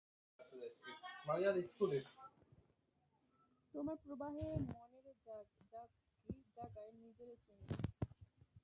তোমার প্রবাহে মনেরে জাগায়, নিজেরে চিনি।